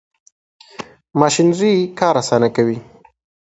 ماشینري کار اسانه کوي.